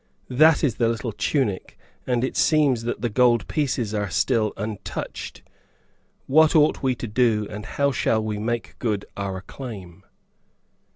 That is the little tunic, and it seems that the gold pieces are still untouched. What ought we to do, and how shall we make good our claim?"